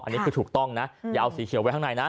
อันนี้คือถูกต้องนะอย่าเอาสีเขียวไว้ข้างในนะ